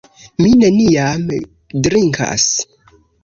Mi neniam drinkas.